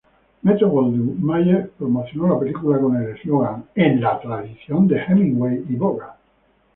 Metro-Goldwyn-Mayer promocionó la película con el eslogan: "En la tradición de Hemingway y Bogart".